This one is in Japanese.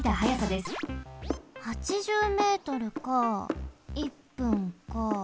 ８０ｍか１分か。